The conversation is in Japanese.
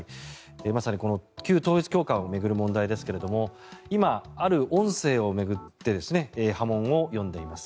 まさに旧統一教会を巡る問題ですが今、ある音声を巡って波紋を呼んでいます。